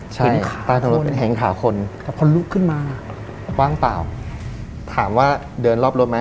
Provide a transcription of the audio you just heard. ใช่ตามทางรถเป็นแห่งขาคนแต่พอลุกขึ้นมาว่างเปล่าถามว่าเดินรอบรถมั้ย